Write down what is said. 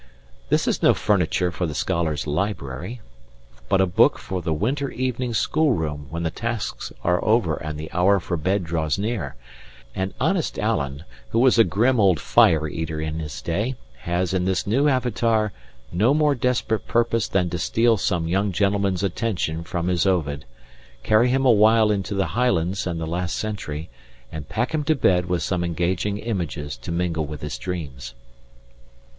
This is no furniture for the scholar's library, but a book for the winter evening school room when the tasks are over and the hour for bed draws near; and honest Alan, who was a grim old fire eater in his day has in this new avatar no more desperate purpose than to steal some young gentleman's attention from his Ovid, carry him awhile into the Highlands and the last century, and pack him to bed with some engaging images to mingle with his dreams.